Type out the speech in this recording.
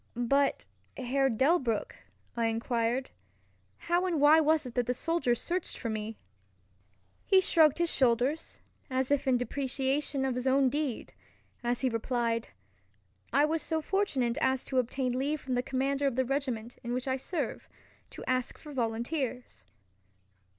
"But Herr Delbruck," I enquired, "how and why was it that the soldiers searched for me?" He shrugged his shoulders, as if in depreciation of his own deed, as he replied, "I was so fortunate as to obtain leave from the commander of the regiment in which I serve, to ask for volunteers."